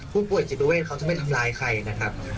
ผู้ป่วยจิตเวทเขาจะไม่ทำร้ายใครนะครับ